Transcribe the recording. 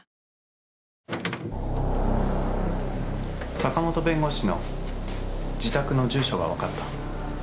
坂本弁護士の自宅の住所が分かった。